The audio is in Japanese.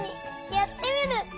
やってみる！